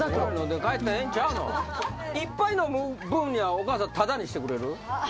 いっぱい飲む分にはお母さんタダにしてくれる？